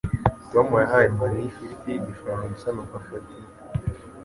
Tom yahaye Mariya ifiriti y Igifaransa nuko afata imwe.